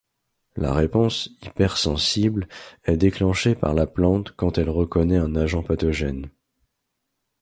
La réponse hypersensible est déclenchée par la plante quand elle reconnaît un agent pathogène.